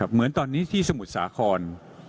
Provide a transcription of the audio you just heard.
เหมือนตอนนี้ที่สมุทรสาคร